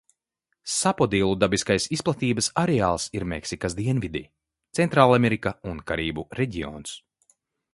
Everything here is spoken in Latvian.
Sapodillu dabiskais izplatības areāls ir Meksikas dienvidi, Centrālamerika un Karību reģions.